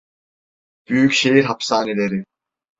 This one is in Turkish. Büyük şehir hapishaneleri.